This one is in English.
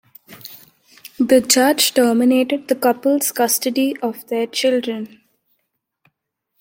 The judge terminated the couple's custody of their children.